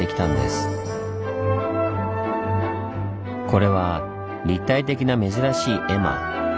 これは立体的な珍しい絵馬。